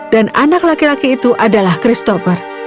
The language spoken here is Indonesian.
dan anak laki laki itu adalah christopher